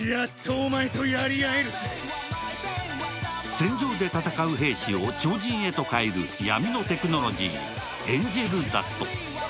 戦場で戦う兵士を超人へと変える闇のテクノロジー、エンジェルダスト。